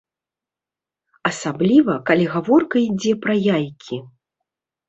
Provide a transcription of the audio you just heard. Асабліва калі гаворка ідзе пра яйкі.